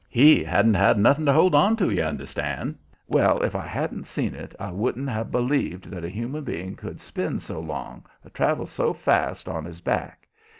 HE hadn't had nothing to hold onto, you understand. Well, if I hadn't seen it, I wouldn't have b'lieved that a human being could spin so long or travel so fast on his back.